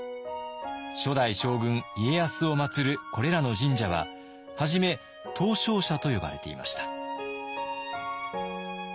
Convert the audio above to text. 初代将軍家康をまつるこれらの神社は初め東照社と呼ばれていました。